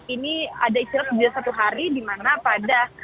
ini ada istirahat sehari di mana pada